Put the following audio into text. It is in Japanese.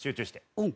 うん。